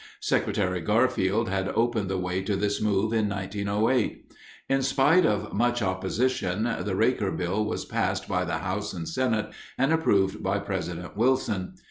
Secretary Garfield had opened the way to this move in 1908. In spite of much opposition, the Raker Bill was passed by the House and Senate and approved by President Wilson.